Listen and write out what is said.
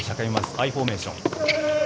アイフォーメーション。